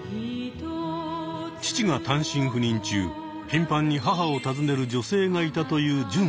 父が単身赴任中頻繁に母を訪ねる女性がいたというジュンさん。